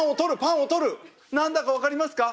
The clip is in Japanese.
何だか分かりますか？